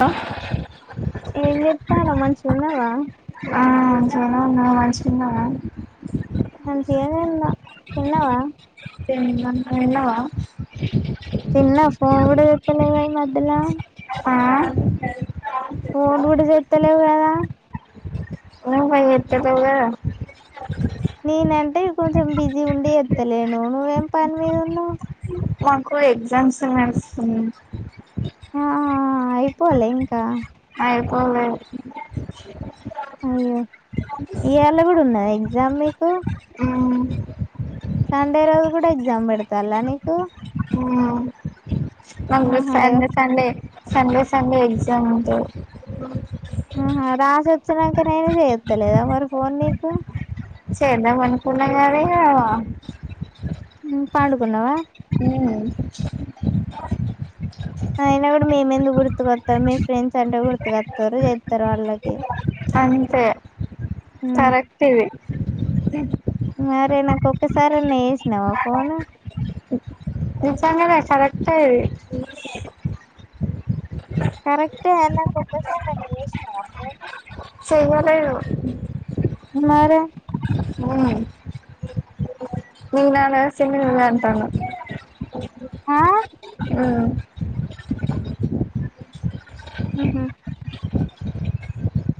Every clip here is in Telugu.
హ ఏం చెత్తానవ్ మంచిగున్నవా ఆ చాలను న వాయిస్ ఇన్నావా మంచిగానే ఉన్న తిన్నావా తిన్నా నువ్ తిన్నావా తిన్న ఫోన్ కూడా చెత్తలేవు గదా ఈ మధ్యల ఆ ఫోన్ కూడా జతలేవు గదా నువ్వే జెతలేవు గదా నేనంటే కొంచెం బిజీ ఉండి ఎత్తలేను నువ్వేం పని మీద ఉన్నావు మాకు ఎగ్జామ్స్ నడుస్తుంది ఆ అయిపోలె ఇంకా ఐయిపోలె అయ్యో ఇయాళ కూడా ఉన్నాదా ఎగ్జామ్ మీకు ఉమ్ సండే రోజు కూడా ఎగ్జామ్ పెడతాల్ల నీకు మండే ఆహా Sunday Sunday Sunday Sunday exam ఉంటది ఆహా రాసి వచ్చినాక నేనే చేయొత్తలేదా మరి ఫోన్ నీకు చెందామనుకున్నగాని ఇగ పండుకున్నావా హ అయినా కూడా మేము ఎందుకు గుర్తుకొత్తం మీ ఫ్రెండ్స్ అంటే గుర్తుకొత్తరు చెతారు వాళ్ళకి అంతే కరెక్ట్ ఇది మరె నాకోక్కసారన్న ఎసినవా ఫోను నిసంగానే కరెక్ట్ ఇది కరెక్ట్ సంతోషం ల అత్త చేసినవా ఫోను చెయ్యలేరు మరే ఏ ఆ నిన్న నా సింగుడు అ అంటాఅన్నా ఆ ఆ ఉహు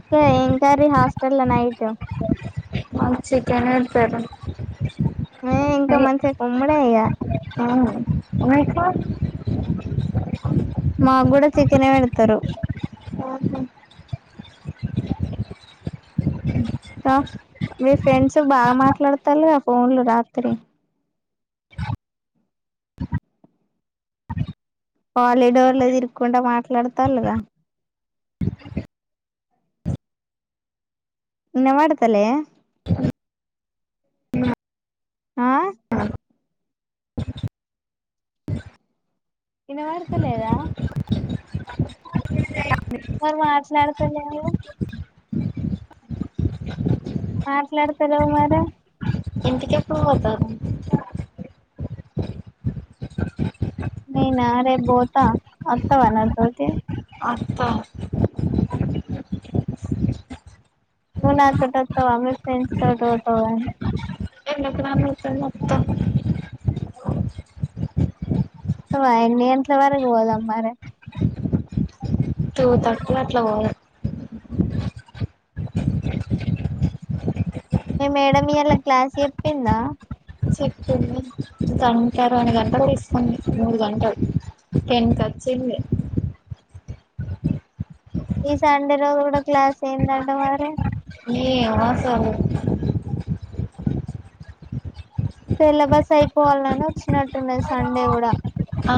సో ఏం కర్రీ హాస్టల్ ల నైట్ మాద్ చికెన్ వేత్తారు మే ఇంకా మంచిగా కుమ్మడే ఇక ఆ అ రిస్మస్ మాక్ కూడా చికెనే పెడతారు ఆహా అ మీ ఫ్రెండ్స్ బాగా మాట్లాడతార్ లే ఆ ఫోన్లో రాత్రి హాలిడోర్లు తిరుకుండా మాట్లాడతాళ్ళుగా ఇనవడ్ తలే ఆ అ ఇనవడ్త లేదా [inaudible] లేగ మరి మాట్లాడుతున్ లేవో మాట్లాడతలేవు మరి ఇంటికి ఎప్పుడు పోతావ్ రేప్ బొతా వస్తావా నాన్ తోటి వస్తా నువ్వు నాతోటి వస్తావా మీ ఫ్రెండ్స్ తోటి పోతావా ఎండ్ ఎక్కువా గ్రా మొత్తం [unintelligible] ఉంటావా ఎన్ని గంటల వరకు పోదాం మరి తూ తట్ల ఎట్లా పోదామ్ మీ మేడం మ్ ఇయాలా క్లాస్ చెప్పిందా చెప్పింది తంటరాని గంటలు తీసుకుంది మూడు గంటలు టెన్త్ వచ్చింది ఈ సండే రోజు కూడా క్లాస్ అయిందఅంట మరి ఈ మెసంమ్ సిలబస్ అయిపోవాలని వచ్చినట్టుండది సండే కూడా ఆ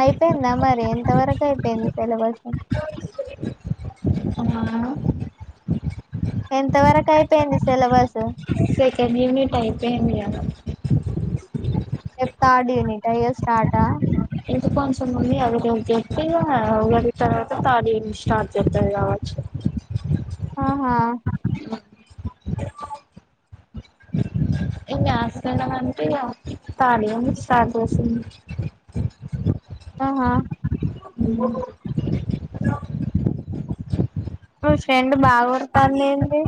అయిపోయిందా అ మరి ఎంత వరకు అయిపోయింది సెలబస్ ఆ ఎంత వరకు అయిపోయింది సెలబస్ సెకండ్ ఇయర్ మీ టైప్ చేయండి ఇగ రేప్ తార్డీని స్టయిగర్ స్టార్టా ఏతుక్కో అవసరం ఉంది అడుగు అని చేప్పి అ [inaudible] తే త తార్ట్ ఇయర్ స్టార్ట్ చేస్తాన్ కావచ్చు ఆహా అవసరం అంటే ఇగ అప్పిత్తాడు ఎముంది స్టార్ట్ చేసి ఆహా మ ఆ ఫ్రెండ్ బాగోడ్ తాంద్ ఎంది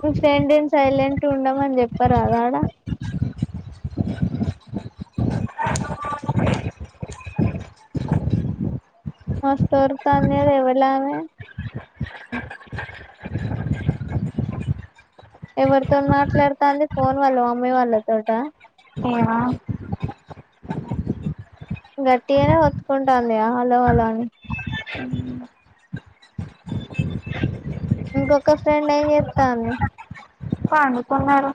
మీ ఫ్రెండియన్స్ సైలెంట్ ఉండమ అని చెప్పారాద ఆడ మస్తరుతామే ఎవరు లామే ఎవరితో మాట్లాడతాఅంది ఫోన్ వాళ్ళ మమ్మీ వాళ్ళ తోట్య ఏ హ గట్టి అనే ఒత్తుకుంటాఅంది హలో అలో అని ఇంకొక ఫ్రెండ్ అయిం చెస్తాన్ని పాడుకున్నారు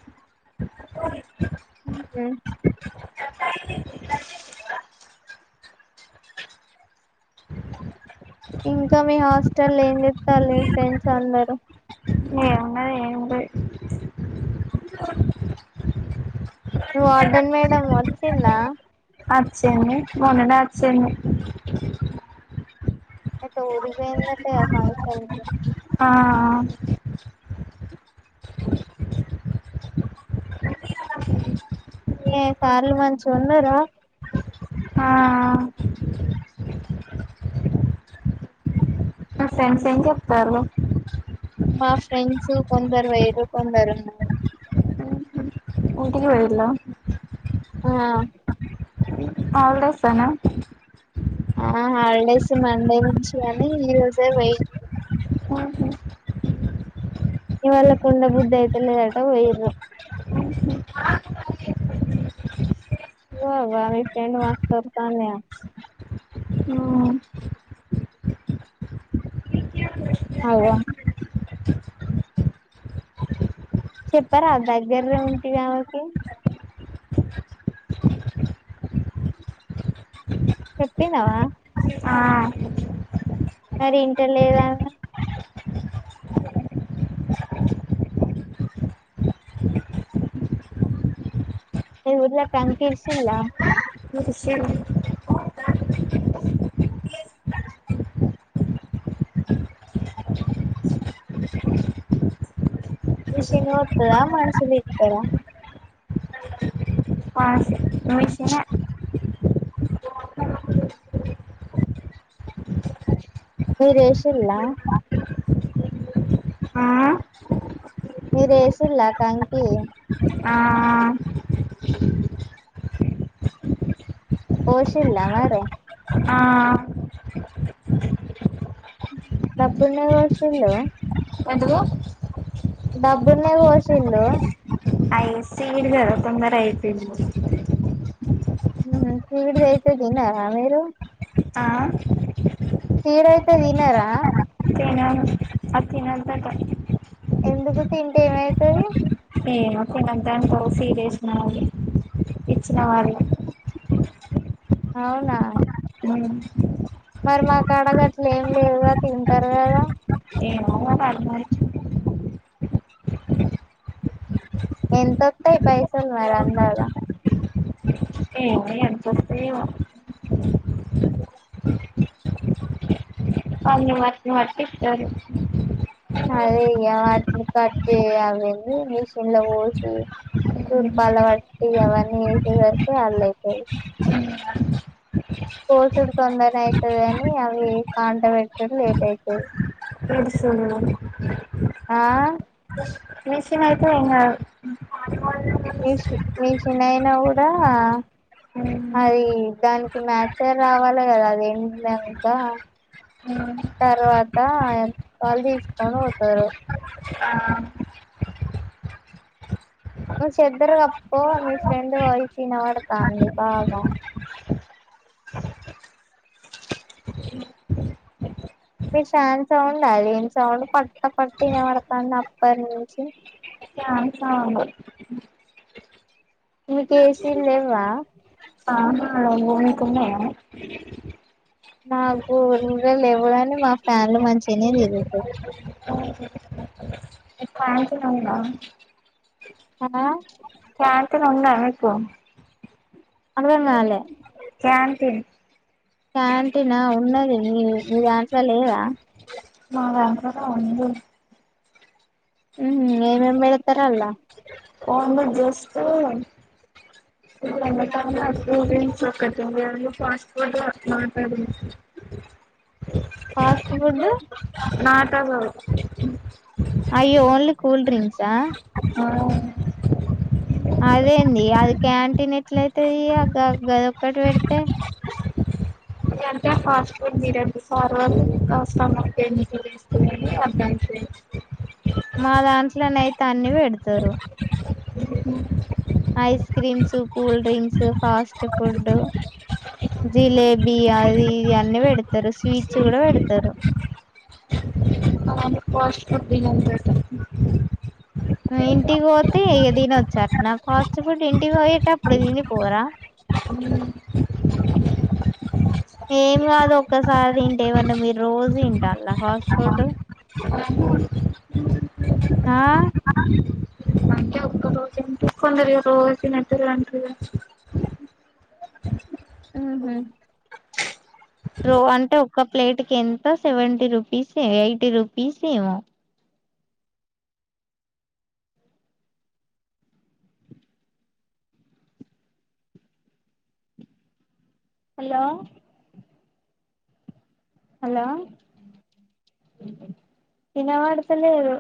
ఉమా ఇంకా మీ హాస్టల్ ఏం చెస్తాల ఫ్రెండ్స్ అందరుూ ఏమున్నది ఏం లేదు నువ్ అడన్ మేడం మర్సంద అచ్చేన్న మన్నడ అచ్చన్న ఏట్టోరిగాయిందట్ట ఫష ఆ ఏ సార్లు మంచి ఉన్నారా ఆ నా ఫ్రెండ్స్ ఏం చెప్తారు మా ఫ్రెండ్స్ కొందరు వేరు కొందరు ఉన్నారు ఎంటికి వరిలో ఆ హాలిడేస్ సనా ఆ హాలిడేస్ మండే నుంచి కాని ఈ రోజే వెయిట్ ఇవళ కుండ బుద్ధ అయితులిదట వయు వా వాారి టెడ్ వాస్ కతానే మ్మ్ అవ చెప్పరాా ఆ దగ్గరే ఉంటి ఆమకి చెప్పినవా ఆ మరి ఇంట లేదా అ ఉఊర్ల క అంకిర్సలా ఇసీ అ విషీ నోడ్తదా మనసులు ఇర్తారా వాషింగ్ మిషనే మీ రేషలా ఆ మీరేషలా కాంకి ఆ ఓషలా మరి ఆ డబ్బుడున్న వషంద ఎందుకు డబ్బునే పోషిడు అరవ తొందర అయిపో మ విడద అయితుదిిన ఆమెేరు ఆ సడయితది దనర అ తహంత ఎందుకు తింటే ఏమవుతుది నేనుప్పుడుంతాకో సీట్ేసినళ్ ఇచ్చిన వాళ్ళు అవునా అడి మరి మా కాడకి అట్లు ఏం లేదుగా తింటారు కదా అ అ ఎంతొస్తాయి పైసలు మరి అందలా ఏ అపో అ మ మారు అదే అయ వా కట్ చేషన్లా పో తూర్పాల వాట్టి అవన్నీ వేసేసరికి వాళ్ళు అైతే కోసులు తొందరన అవుతుది అని అవి కాంట పెట్టడం లేట్ అవుతుది ఇది సన్నా ఆ మషన్ అయితే ఎనా వయనా కూడా ఉ అది దానికి మ్యాచ రావాలి కదా అదేమి లేంత తర్వాత ఎంతళు తీసుకొని పోతారు ఆ ను్ చెద్దరు గప్ప మీ ఫ్రెండ్ వయి చిినబడతాండి బాగా విషాన్ సౌం అలీీన్ సౌం పడుట్ట పడుత ఇ వడతా అప్పంచి చాన్సను మీక ఏసీన్ లేవా ఆ మూకుంద నాకు ఊ లేవడానే మా ఫ్యాన్లు మంచిగానే జిరుగుతంది కాా చ రా ఆ అక్కన ఉన్నా అపో అదంగాాల క్యాంతన్ క్యాంటీనా ఉన్నది మీ మీరు ఆన్సర్ లేదా మా బ్యాం ఉ ఉ ఏమేం మళ తరలా న్న జస్త హులు ఎ అ్రూంస్ త అ ఫస్ ఫో మా ఆస్తున్నా కాబ అయ్యో ఓన్లీ కూల్ డ్రింసా అవు అదేండి అది క్యాంటీన్ ఎట్ల అయితుది ఆ గది ఒక్కటి పెడితే అంటే ఫాస్ట్ ఫుడ్ బిర్యా సార్వలు కాస్తాే చస్తుందని అర్థం చేయండి మా దాంట్లోనే అయితే అన్ని పెడతారు ఇ ice creams cool drinks fast food jalebi అది ఇది అన్నిీ పెడతారు స్వీట్స్ కూడా పెడతారు ష్ట దగా ఇంటికి పోతే ఏదని వచ్చట నా ఫాస్ట్ ఫుడ్ ఇంటికి పోయేట అప్పుడు దీని పోరా ఏం కాదు ఒక్కసారి తింటే ఏమన్నా మీరు రోజు తింటాల ఫాస్ట్ ఫుడ్ ఆ అవును కురి రోస నెట్ంటగా ఆ హమ్ ప్రో అంటే ఒక ప్లేట్కి ఎంత సెవెంటీ రూపీస్ ఏో ఎయిటీ రూపీస్ ఏమో హలో హలో ఇ నవాడుతలేదు